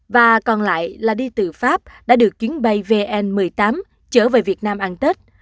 và còn lại là đi từ pháp đã được chuyến bay vn một mươi tám trở về việt nam ăn tết